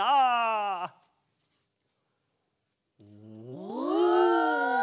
お！